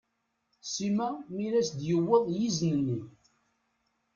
Sima mi as-d-yewweḍ yizen-nni.